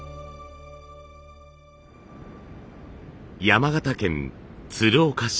山形県鶴岡市。